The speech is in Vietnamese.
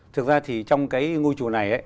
thực ra thì trong cái ngôi chùa này ấy